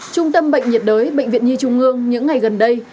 trung tâm bệnh nhiệt đới bệnh viện nhi trung ương những ngày gần đây